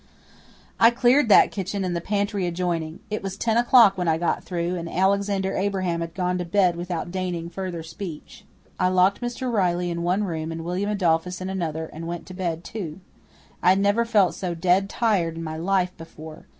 I cleared that kitchen and the pantry adjoining. It was ten o'clock when I got through, and Alexander Abraham had gone to bed without deigning further speech. I locked Mr. Riley in one room and William Adolphus in another and went to bed, too. I had never felt so dead tired in my life before.